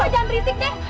lu jangan berisik deh